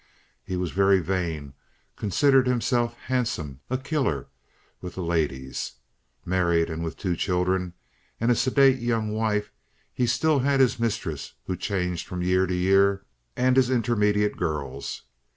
He was very vain, considered himself handsome, a "killer" with the ladies. Married, and with two children and a sedate young wife, he still had his mistress, who changed from year to year, and his intermediate girls.